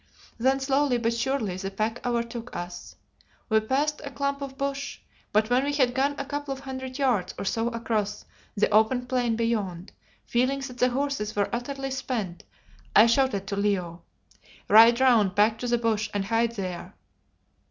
Then slowly but surely the pack overtook us. We passed a clump of bush, but when we had gone a couple of hundred yards or so across the open plain beyond, feeling that the horses were utterly spent, I shouted to Leo "Ride round back to the bush and hide there."